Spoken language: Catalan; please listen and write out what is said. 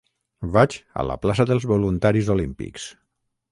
Vaig a la plaça dels Voluntaris Olímpics.